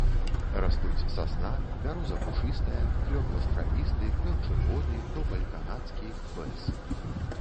Растуць сасна, бяроза пушыстая, клён вастралісты, клён чырвоны, топаль канадскі, бэз.